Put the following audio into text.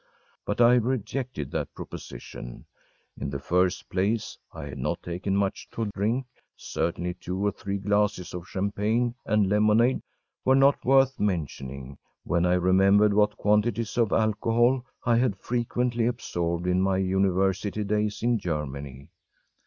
But I rejected that proposition. In the first place, I had not taken much to drink; certainly two or three glasses of champagne and lemonade were not worth mentioning when I remembered what quantities of alcohol I had frequently absorbed in my university days in Germany.